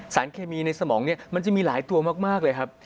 สารเคมีในสมองเนี่ยมันจะมีหลายตัวมากเลยครับ